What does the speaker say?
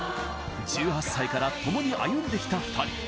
１８歳から共に歩んできた２人